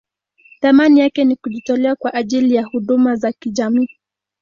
Thamani yake ni kujitolea kwa ajili ya huduma za kijamii.